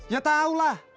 ya tau lah